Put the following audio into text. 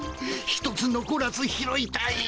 一つのこらず拾いたい。